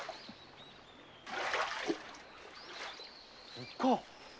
おっかあ！